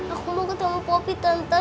aku mau ketemu popy tante